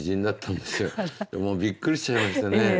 もうびっくりしちゃいましたね。